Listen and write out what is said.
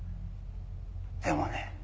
でもね